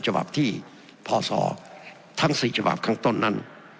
ฉบับที่พศทั้ง๔ฉบับข้างต้นนั้น